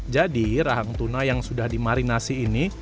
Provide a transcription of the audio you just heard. jadi rahang tuna yang sudah dimarinasi ini